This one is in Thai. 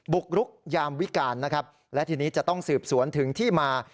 บุกรุกยามวิการนะครับและทีนี้จะต้องสืบสวนถึงที่มา